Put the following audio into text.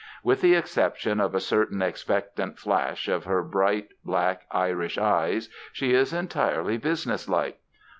With the exception of a certain expectant flash of her bright black Irish eyes, she is entirely businesslike.